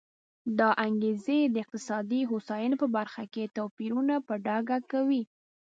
دا انګېزې د اقتصادي هوساینې په برخه کې توپیرونه په ډاګه کوي.